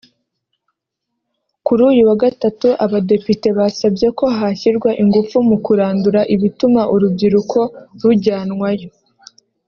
Kuri uyu wa Gatatu Abadepite basabye ko hashyirwa ingufu mu kurandura ibituma urubyiruko rujyanwayo